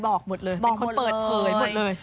หมดเลยเป็นคนเปิดเผยหมดเลย